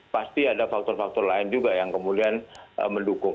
pasti ada faktor faktor lain juga yang kemudian mendukung